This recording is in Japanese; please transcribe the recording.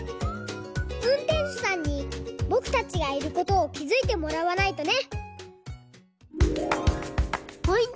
うんてんしゅさんにぼくたちがいることをきづいてもらわないとね！